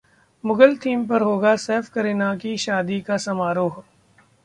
Mughal theme पर होगा सैफ-करीना की शादी का समारोह